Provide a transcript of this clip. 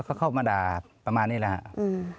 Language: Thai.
ก็เข้ามาด่าประมาณนี้แหละครับ